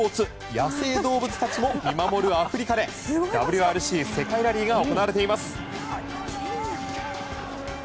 野生動物たちも見守るアフリカでＷＲＣ・世界ラリーが行われています。